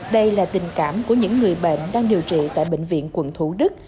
đây là tình cảm của những người bệnh đang điều trị tại bệnh viện quận thủ đức